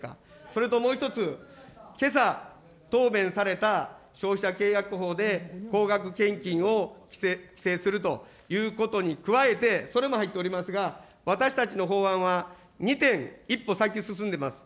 それともう１つ、けさ、答弁された消費者契約法で高額献金を規制するということに加えて、それも入っておりますが、私たちの法案は、２点一歩先へ進んでいます。